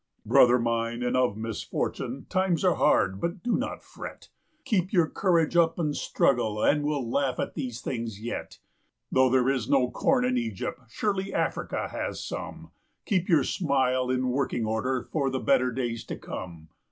Brother mine, and of misfortune ! times are hard, but do not fret, Keep your courage up and struggle, and we'll laugh at these things yet. Though there is no corn in Egypt, surely Africa has some Keep your smile in working order for the better days to come